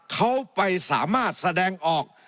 เขาไปสามารถแสดงออก